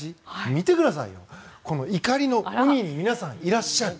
見てくださいよこの怒りの海に皆さん、いらっしゃる。